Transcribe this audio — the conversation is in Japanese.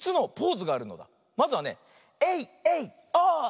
まずはねエイエイオー！